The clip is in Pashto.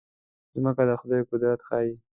مځکه د خدای قدرت ښيي.